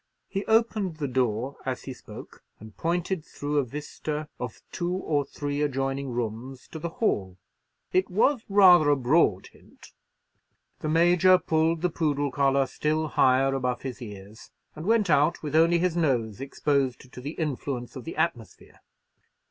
He opened the door as he spoke, and pointed through a vista of two or three adjoining rooms to the hall. It was rather a broad hint. The Major pulled the poodle collar still higher above his ears, and went out with only his nose exposed to the influence of the atmosphere.